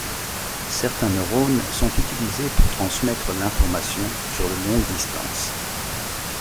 Certains neurones sont utilisés pour transmettre l'information sur de longues distances.